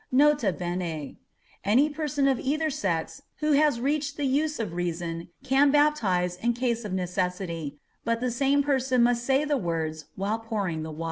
N.B. Any person of either sex who has reached the use of reason can baptize in case of necessity, but the same person must say the words while pouring the water.